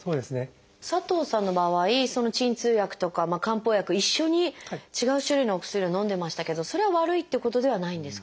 佐藤さんの場合鎮痛薬とか漢方薬一緒に違う種類のお薬をのんでましたけどそれは悪いっていうことではないんですか？